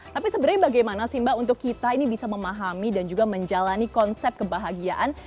tapi sebenarnya bagaimana sih mbak untuk kita ini bisa memahami dan juga menjalani konsep kebahagiaan